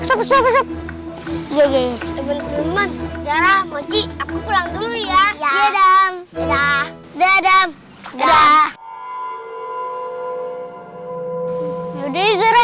aku pulang dulu ya